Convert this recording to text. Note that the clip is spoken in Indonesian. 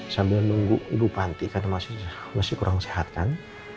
sambil nunggu ibu panti karena masih kurang sehat kan